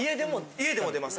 家でも出ます。